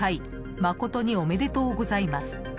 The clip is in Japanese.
誠におめでとうございます。